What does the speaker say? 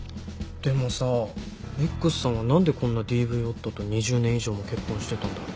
でもさＸさんは何でこんなＤＶ夫と２０年以上も結婚してたんだろ。